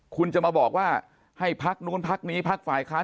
คุณจะมาบอกว่าให้พักนู้นพักนี้พักฝ่ายค้าน